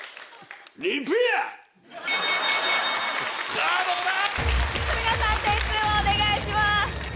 さぁどうだ⁉点数をお願いします。